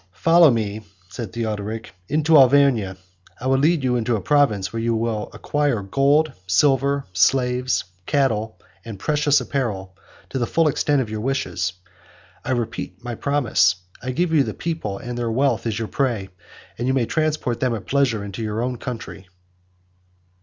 "Follow me," said Theodoric, "into Auvergne; I will lead you into a province, where you may acquire gold, silver, slaves, cattle, and precious apparel, to the full extent of your wishes. I repeat my promise; I give you the people and their wealth as your prey; and you may transport them at pleasure into your own country."